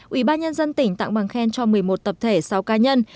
ủy ban nhân dân tỉnh tặng bằng khen cho một mươi một tập thể sáu cá nhân